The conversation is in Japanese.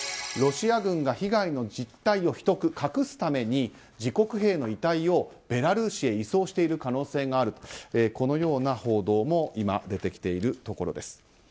ロシア軍が被害の実態を秘匿、隠すために自国兵の遺体をベラルーシへ移送している可能性があるという報道も今、出てきているところです。